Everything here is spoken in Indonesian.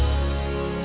ngapain dia telpon andin